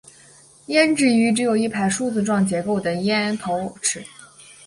胭脂鱼只有一排梳子状结构的咽头齿。